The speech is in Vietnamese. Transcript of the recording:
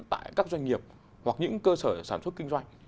tại các doanh nghiệp hoặc những cơ sở sản xuất kinh doanh